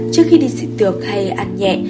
trước khi đi dịp tược hay ăn nhẹ